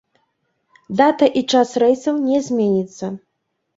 Дата і час рэйсаў не зменіцца.